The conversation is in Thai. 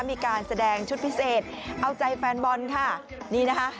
มีการแสดงชุดพิเศษเอาใจแฟนบอลค่ะนี่นะคะ